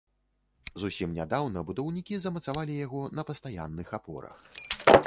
Зусім нядаўна будаўнікі замацавалі яго на пастаянных апорах.